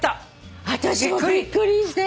私もびっくりして。